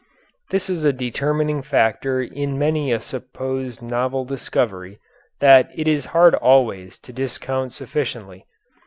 This is a determining factor in many a supposed novel discovery, that it is hard always to discount sufficiently.